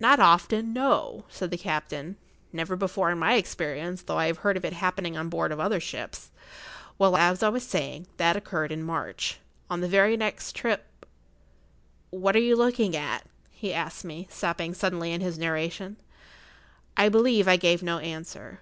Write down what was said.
"Not often—no," said the captain; "never before in my experience, though I have heard of it[Pg 62] happening on board of other ships. Well, as I was saying, that occurred in March. On the very next trip—What are you looking at?" he asked, stopping suddenly in his narration. I believe I gave no answer.